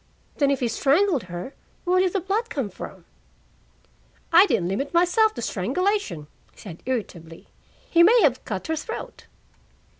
"Then if he strangled her, where did the blood come from?" "I didn't limit myself to strangulation," he said irritably. "He may have cut her throat."